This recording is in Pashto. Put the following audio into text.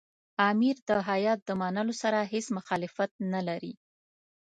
امیر د هیات د منلو سره هېڅ مخالفت نه لري.